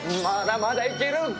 まだまだ行ける！